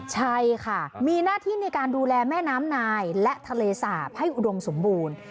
ใช่ค่ะมีหน้าที่ในการดูแลแม่น้ำนายและทะเลสาบให้อุดมสมบูรณ์